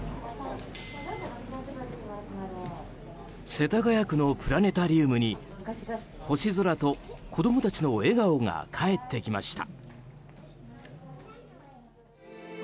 世田谷区のプラネタリウムに星空と子供たちの笑顔が帰ってきました。